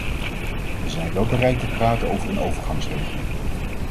We zijn wel bereid te praten over een overgangsregeling.